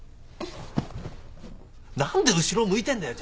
何で後ろ向いてんだよ？